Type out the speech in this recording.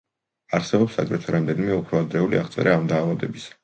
არსებობს აგრეთვე რამდენიმე უფრო ადრეული აღწერა ამ დაავადებისა.